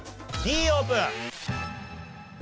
Ｄオープン。